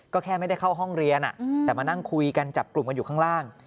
ก็แค่ไม่ได้เข้าห้องเรียนแต่มานั่งคุยกันจับกลุ่มกันอยู่ข้างล่าง